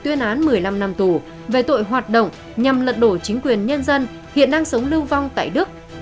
nguyễn văn đài cũng từng bị tuyên án một mươi năm năm tù về tội hoạt động nhằm lật đổ chính quyền nhân dân hiện đang sống lưu vong tại đức